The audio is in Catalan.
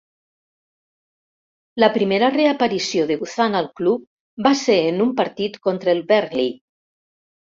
La primera reaparició de Guzan al club va ser en un partit contra el Burnley.